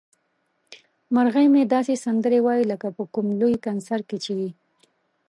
مرغۍ مې داسې سندرې وايي لکه په کوم لوی کنسرت کې چې وي.